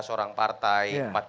enam belas orang partai